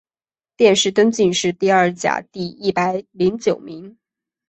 殿试登进士第二甲第一百零九名。